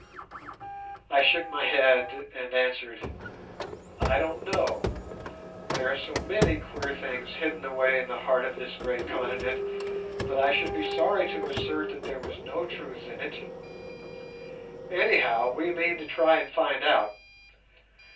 I shook my head, and answered, "I don't know. There are so many queer things hidden away in the heart of this great continent that I should be sorry to assert that there was no truth in it. Anyhow, we mean to try and find out.